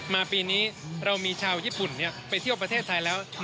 ปีนี้เรามีชาวญี่ปุ่นไปเที่ยวประเทศไทยแล้ว